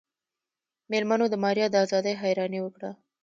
مېلمنو د ماريا د ازادۍ حيراني وکړه.